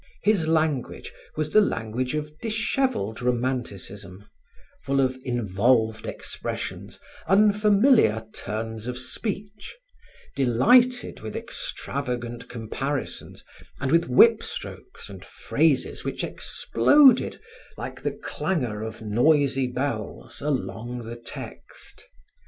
His language was the language of disheveled romanticism, full of involved expressions, unfamiliar turns of speech, delighted with extravagant comparisons and with whip strokes and phrases which exploded, like the clangor of noisy bells, along the text.